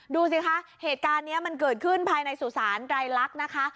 ดูสิคะเหตุการณ์นี้มันเกิดขึ้นภายในสุสานไรลักษณ์นะคะ